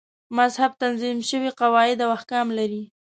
مذهب تنظیم شوي قواعد او احکام لري.